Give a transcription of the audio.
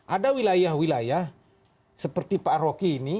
ada wilayah wilayah seperti pak rocky ini